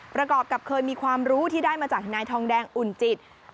ประกอบกับเคยมีความรู้ที่ได้มาจากธนายทองแดงอุ่นจิต